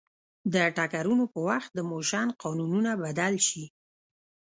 د ټکرونو په وخت د موشن قانونونه بدل شي.